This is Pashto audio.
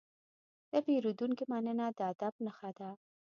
د پیرودونکي مننه د ادب نښه ده.